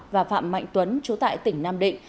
và phạm mạnh tuấn chú tại tỉnh nam định